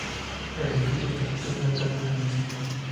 El edificio está situado cerca de una mezquita.